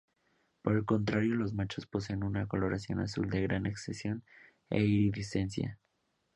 Por el contrario, los machos poseen una coloración azul de gran exención e iridiscencia.